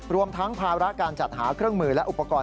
รวมทั้งภาระการจัดหาเครื่องมือและอุปกรณ์